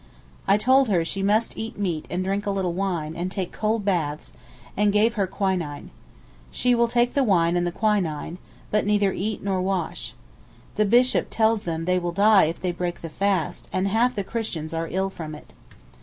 I told her she must eat meat and drink a little wine, and take cold baths, and gave her quinine. She will take the wine and the quinine, but neither eat nor wash. The Bishop tells them they will die if they break the fast, and half the Christians are ill from it.